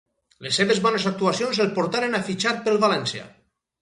Les seves bones actuacions el portaren a fitxar pel València.